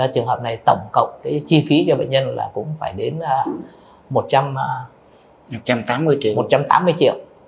trường hợp này tổng cộng cái chi phí cho bệnh nhân là cũng phải đến một trăm tám mươi triệu